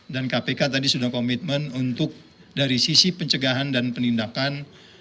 dan kpk tadi sudah komitmen untuk dari sisi pencegahan dan penindakan